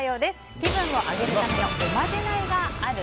気分を上げるためのおまじないがある？